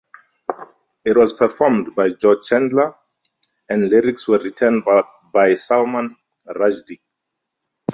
It was performed by George Chandler and lyrics were written by Salman Rushdie.